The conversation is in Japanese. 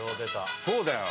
そうだよ。